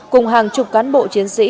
cùng hàng chục cán bộ chiến sĩ